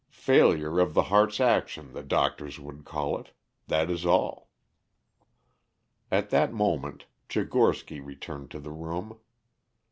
Failure of the heart's action the doctors would call it. That is all." At that moment Tchigorsky returned to the room.